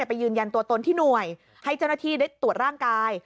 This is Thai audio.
ไปยืนยันตัวตนที่หน่วยให้เจ้าหน้าที่ได้ตรวจร่างกาย